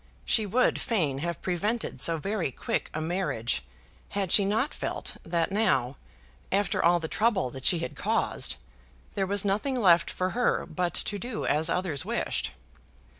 She would fain have prevented so very quick a marriage had she not felt that now, after all the trouble that she had caused, there was nothing left for her but to do as others wished.